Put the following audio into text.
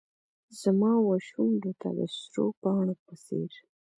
زما وشونډو ته د سرو پاڼو په څیر